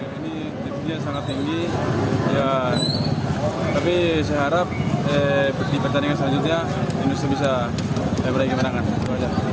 u dua puluh tiga ini timnya sangat tinggi tapi saya harap di pertandingan selanjutnya indonesia bisa berlai kemenangan